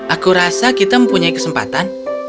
aku rasa kita mempunyai kesempatan